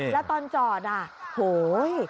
แล้วตอนจอดอ่ะโหย